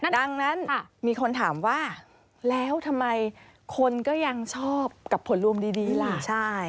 ดังนั้นมีคนถามว่าแล้วทำไมคนก็ยังชอบกับผลรวมดีล่ะ